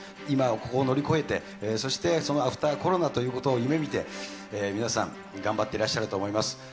今、ここを乗り越えて、そしてそのアフターコロナということを夢みて、皆さん、頑張ってらっしゃると思います。